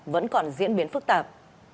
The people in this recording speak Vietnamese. vẫn còn diễn biến phức tạp